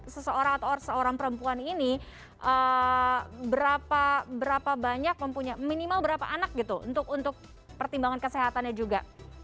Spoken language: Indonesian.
seseorang atau seorang perempuan ini berapa banyak mempunyai minimal berapa anak gitu untuk pertimbangan kesehatannya juga